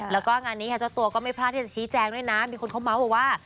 และก็งานนี้ภายใจจากชีแจงมีคนเข้ามาบอกว่า